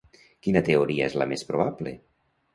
Quina teoria és la més probable?